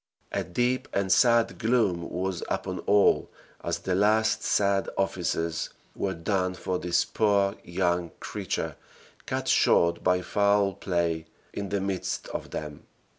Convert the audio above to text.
A deep and sad gloom was upon all as the last sad offices were done for this poor young creature cut short by foul play in the midst of them.